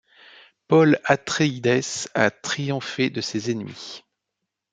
Paul Atréides a triomphé de ses ennemis.